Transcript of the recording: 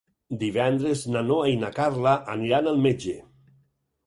Divendres na Noa i na Carla aniran al metge.